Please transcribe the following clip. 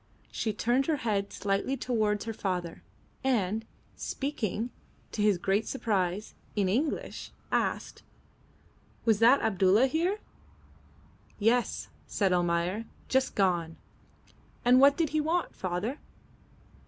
She turned her head slightly towards her father, and, speaking, to his great surprise, in English, asked "Was that Abdulla here?" "Yes," said Almayer "just gone." "And what did he want, father?"